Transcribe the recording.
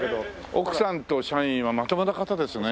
奥さんと社員はまともな方ですね。